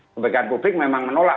kemudian publik memang menolak